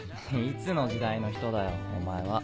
いつの時代の人だよお前は。